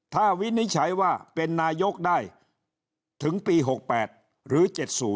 ถ้าวินิจฉัยว่าเป็นนายกได้ถึงปี๖๘หรือ๗๐